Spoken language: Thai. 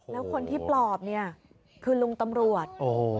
แล้วคนที่ปลอบเนี่ยคือลุงตำรวจ